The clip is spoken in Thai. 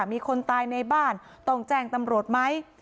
มีคนตายในบ้านต้องแจ้งตำรวจไหม